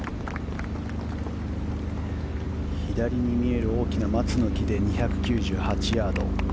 左に見える大きな松の木で２９８ヤード。